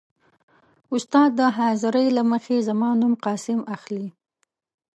. استاد د حاضرۍ له مخې زما نوم «قاسم» اخلي.